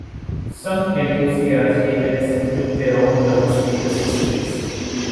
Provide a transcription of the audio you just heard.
Some enthusiasts even assembled their own loudspeaker systems.